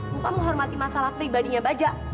mumpamu hormati masalah pribadinya baja